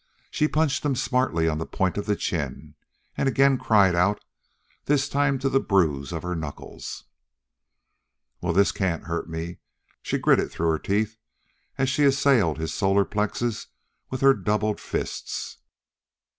She punched him smartly on the point of the chin, and again cried out, this time to the bruise of her knuckles. "Well, this can't hurt me," she gritted through her teeth, as she assailed his solar plexus with her doubled fists.